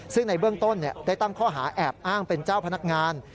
ซึ่งในเบื้องต้นได้ตั้งข้อหาแอบอ้างเป็นเจ้าพนักงาน